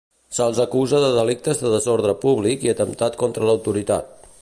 Se'ls acusa de delicte de desordre públic i atemptat contra l'autoritat.